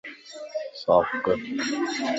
صاف ڪر